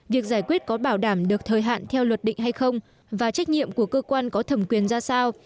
việc giải quyết có bảo đảm được thời hạn theo luật định hay không và trách nhiệm của cơ quan có thẩm quyền ra sao